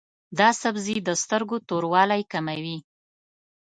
دا سبزی د سترګو توروالی کموي.